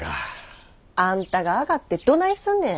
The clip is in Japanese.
あんたがあがってどないすんねん！